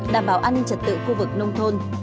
đảm bảo an ninh trật tự khu vực nông thôn